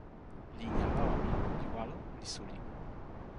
linja lawa mi li walo li suli.